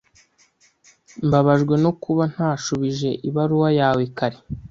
Mbabajwe no kuba ntashubije ibaruwa yawe kare.